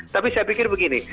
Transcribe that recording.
tapi saya pikir begini